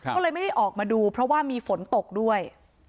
ก็เลยไม่ได้ออกมาดูเพราะว่ามีฝนตกด้วย